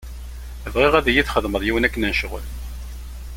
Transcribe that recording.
Bɣiɣ ad iyi-txedmeḍ yiwen akken n ccɣel.